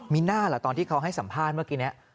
มีน่าเหรอตอนที่เขาให้สัมภาษณ์เมื่อกี้นี้